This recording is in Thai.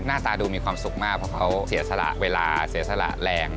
หน้าตาดูมีความสุขมากเพราะเขาเสียสละเวลาเสียสละแรง